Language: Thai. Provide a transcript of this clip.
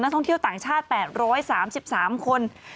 ท่องเที่ยวต่างชาติ๘๓๓คน